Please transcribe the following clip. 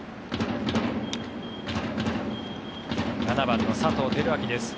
７番の佐藤輝明です。